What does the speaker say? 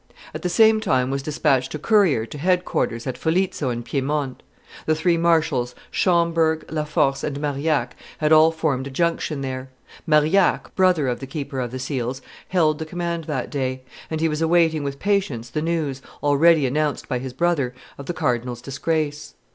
At the same time was despatched a courier to headquarters at Foglizzo in Piedmont. The three marshals Schomberg, La Force, and Marillac, had all formed a junction there. Marillac, brother of the keeper of the seals, held the command that day; and he was awaiting with patience the news, already announced by his brother, of the cardinal's disgrace.